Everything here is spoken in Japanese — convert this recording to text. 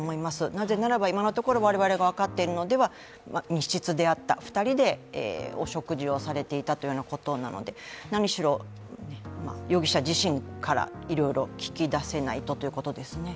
なぜならば今のところ、我々が分かっているのは密室であった、２人で食事をされていたということなので、何しろ、容疑者自身からいろいろ聞き出せないとということですね。